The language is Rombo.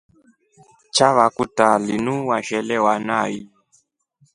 Chava kutaa linu washelewa nai?